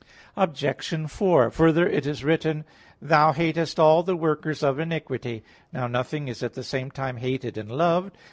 Obj. 4: Further, it is written (Ps. 5:7): "Thou hatest all the workers of iniquity." Now nothing is at the same time hated and loved.